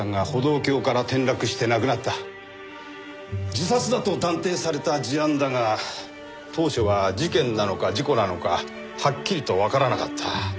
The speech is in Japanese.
自殺だと断定された事案だが当初は事件なのか事故なのかはっきりとわからなかった。